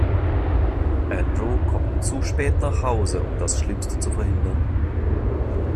Andrew kommt zu spät nach Hause, um das Schlimmste zu verhindern.